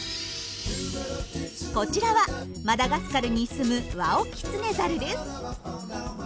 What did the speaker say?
こちらはマダガスカルに住むワオキツネザルです。